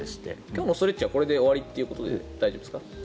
今日のストレッチはこれで終わりということで大丈夫ですか？